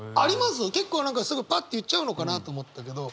結構何かすぐパッて言っちゃうのかなと思ったけど。